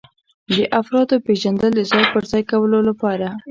د افرادو پیژندل د ځای پر ځای کولو لپاره.